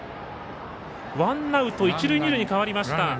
ワンアウト、一塁二塁に変わりました。